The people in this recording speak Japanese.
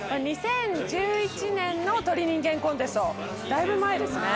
２０１１年の『鳥人間コンテスト』だいぶ前ですね。